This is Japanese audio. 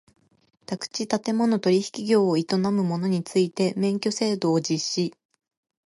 宅地建物取引業を営む者について免許制度を実施